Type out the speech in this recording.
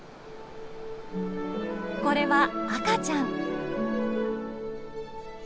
これは赤ちゃん。